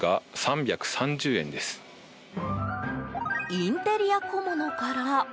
インテリア小物から。